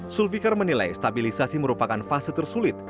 sulfikar menilai stabilisasi merupakan fase tersulit